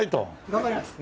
頑張ります！